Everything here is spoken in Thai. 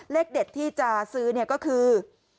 เลขเด็ดที่จะซื้อเนี่ยก็คือ